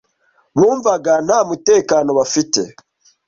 Bumvaga nta mutekano bafite